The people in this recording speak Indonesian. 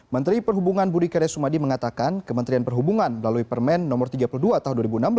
menteri perhubungan budi karya sumadi mengatakan kementerian perhubungan melalui permen no tiga puluh dua tahun dua ribu enam belas